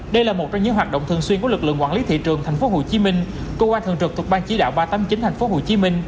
đây là một trong những hoạt động thường xuyên của lực lượng quản lý thị trường tp hcm cơ quan thường trực thuộc ban chỉ đạo ba trăm tám mươi chín tp hcm